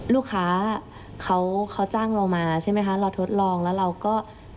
ลูกค้าเขาจ้างเรามาใช่ไหมคะเราทดลองแล้วเราก็